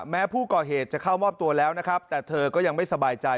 แม้ผู้ก่อเหตุจะเข้ามอบตัวแล้วนะครับแต่เธอก็ยังไม่สบายใจ